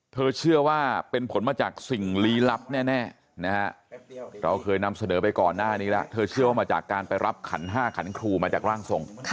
เชื่อว่าเป็นผลมาจากสิ่งลี้ลับแน่นะฮะเราเคยนำเสนอไปก่อนหน้านี้แล้วเธอเชื่อว่ามาจากการไปรับขันห้าขันครูมาจากร่างทรง